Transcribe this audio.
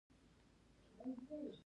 کښتیو تګ راتګ کنټرول شي.